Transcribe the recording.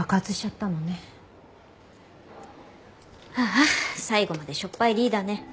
あーあ最後までしょっぱいリーダーね。